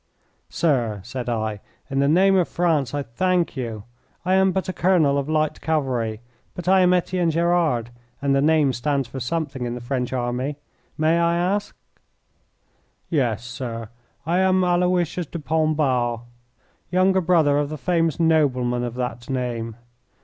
"Sir," said I, "in the name of France I thank you. I am but a colonel of light cavalry, but I am Etienne Gerard, and the name stands for something in the French army. May I ask " "Yes, sir, I am Aloysius de Pombal, younger brother of the famous nobleman of that name.